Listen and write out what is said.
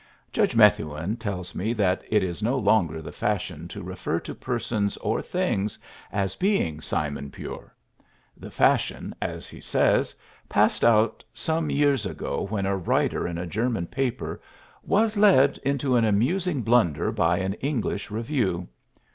Judge Methuen tells me that it is no longer the fashion to refer to persons or things as being "simon pure"; the fashion, as he says, passed out some years ago when a writer in a German paper "was led into an amusing blunder by an English review.